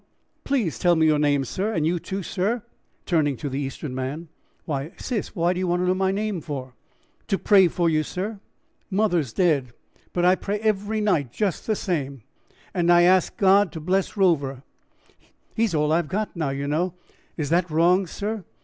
"Please tell me your name, sir, and you, too, sir," turning to the Eastern man. "Why, sis, what do you want to know my name for?" "To pray for you, sir; mother's dead, but I pray every night just the same, and I ask God to bless Rover he's all I've got now, you know. Is that wrong, sir?